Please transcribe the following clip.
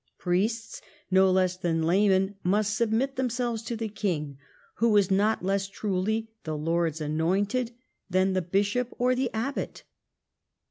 Priests no less than laymen must submit themselves to the king, who was not less truly the Lord's Anointed than the bishop or the abbot.